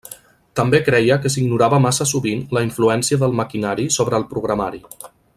També creia que s'ignorava massa sovint la influència del maquinari sobre el programari.